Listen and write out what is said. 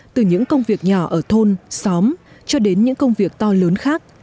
từ những công việc nhỏ ở thôn xóm cho đến những công việc to lớn khác